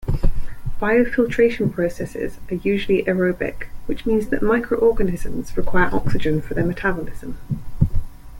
Biofiltration processes are usually aerobic, which means that microorganisms require oxygen for their metabolism.